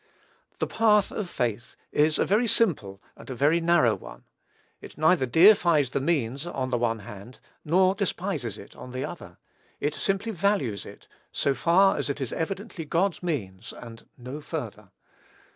The path of faith is a very simple and a very narrow one. It neither deifies the means on the one hand, nor despises it on the other. It simply values it, so far as it is evidently God's means, and no further.